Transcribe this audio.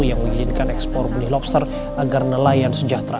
yang mengizinkan ekspor benih lobster agar nelayan sejahtera